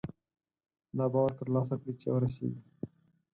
دا باور ترلاسه کړي چې وررسېږي.